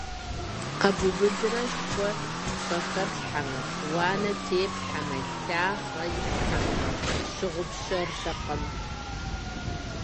Къэбубыдрэ шхуэ пщӀэхэплъхьэмэ, уанэ теплъхьэмэ, лъахъэ иплъхьэмэ, щыгъупщэртэкъым.